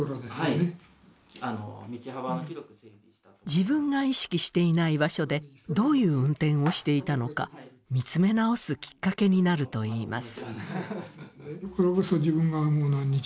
自分が意識していない場所でどういう運転をしていたのか見つめ直すきっかけになるといいます。